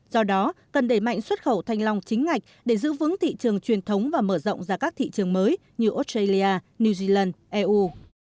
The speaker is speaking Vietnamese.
do đó cần đẩy mạnh xuất khẩu thanh long chính ngạch để giữ vững thị trường truyền thống và mở rộng ra các thị trường mới như australia new zealand eu